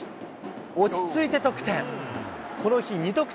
落ち着いて得点。